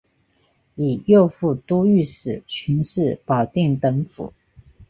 以右副都御史巡视保定等府。